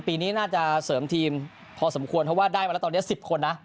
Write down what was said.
ปีนี้น่าจะเสริมทีมพอสมควรเพราะว่าได้มาแล้วตอนนี้๑๐คนนะ